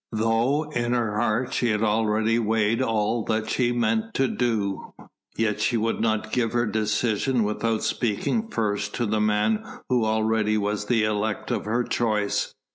Though in her heart she had already weighed all that she meant to do, yet she would not give her decision without speaking first to the man who already was the elect of her choice.